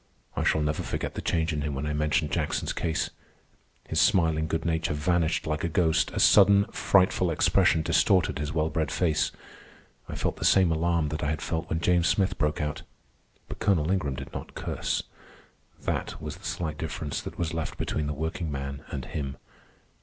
I shall never forget the change in him when I mentioned Jackson's case. His smiling good nature vanished like a ghost. A sudden, frightful expression distorted his well bred face. I felt the same alarm that I had felt when James Smith broke out. But Colonel Ingram did not curse. That was the slight difference that was left between the workingman and him.